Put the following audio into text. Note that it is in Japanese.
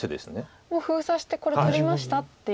もう封鎖して「これ取りました」っていうような。